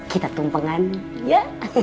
kita tumpengan ya